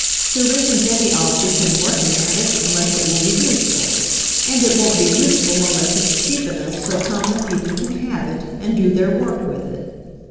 "There isn't any object in working at it unless it will be useful, and it won't be use ful unless it's cheap enough so common people can have it, and do their work with it."